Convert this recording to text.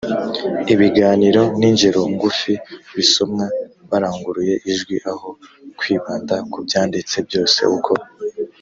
ibiganiro n ingero ngufi bisomwa baranguruye ijwi aho kwibanda ku byanditse byose uko